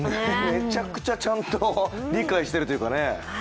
めちゃくちゃちゃんと理解しているというかね。